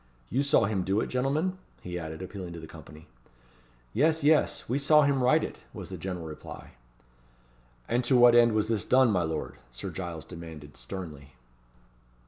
You saw him do it, gentlemen?" he added, appealing to the company. "Yes yes! we saw him write it!" was the general reply. "And to what end was this done, my lord?" Sir Giles demanded, sternly.